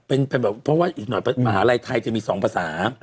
เพราะว่าอีกหน่อยมหาลัยไทยจะมีสองภาษา